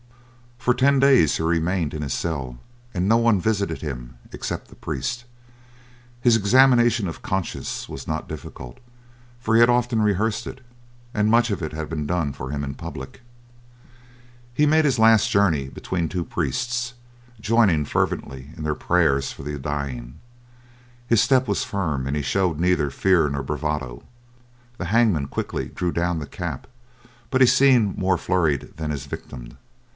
For ten days he remained in his cell, and no one visited him except the priest. His examination of conscience was not difficult, for he had often rehearsed it, and much of it had been done for him in public. He made his last journey between two priests, joining fervently in their prayers for the dying. His step was firm, and he showed neither fear nor bravado. The hangman quickly drew down the cap, but he seemed more flurried than his victim.